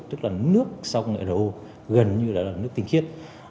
tức là nước sau công nghệ ro gần như là nước tinh khiết